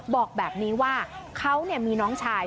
บอกแบบนี้ว่าเขามีน้องชาย